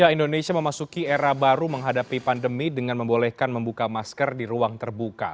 indonesia memasuki era baru menghadapi pandemi dengan membolehkan membuka masker di ruang terbuka